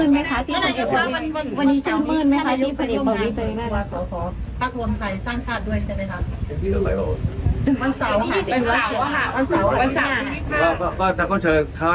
อยากจะพูดอะไรเพิ่มเติมอยากจะพูดอะไรเพิ่มเติมอีกไหมฮะ